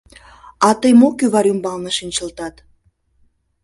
— А тый мо кӱвар ӱмбалне шинчылтат?